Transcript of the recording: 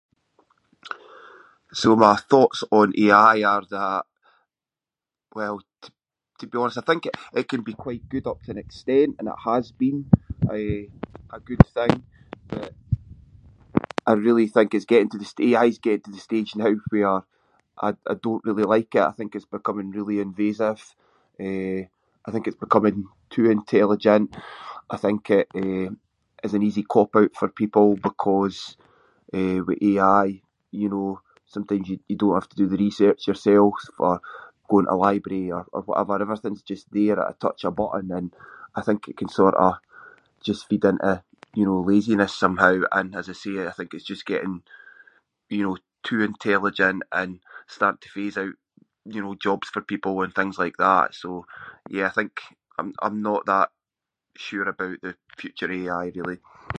So my thoughts on AI are that, well, to- to be honest I think it- it can be quite good up to an extent and it has been, eh, a good thing, but I really think it’s getting to the st- AI’s getting to the stage now where I- I don’t really like it. I think it’s becoming really invasive, eh, I think it’s becoming too intelligent, I think it, eh, is an easy cop-out for people because, eh, with AI, you know, sometimes you- you don’t have to do the research yourself or going to a library or- or whatever. Everything’s just there at a touch of a button. I think it can sort of, just feed into, you know, laziness somehow and as I say, I just think it’s getting, you know, too intelligent and starting to phase out, you know, jobs for people and things like that, so yeah I think I’m-I’m not that sure about the future of AI, really.